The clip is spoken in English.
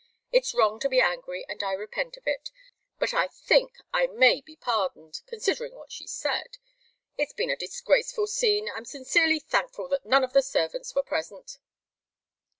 It's wrong to be angry, and I repent of it, but I think I may be pardoned considering what she said. It's been a disgraceful scene. I'm sincerely thankful that none of the servants were present."